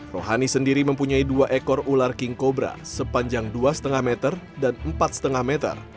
rohani sendiri mempunyai dua ekor ular king cobra sepanjang dua lima meter dan empat lima meter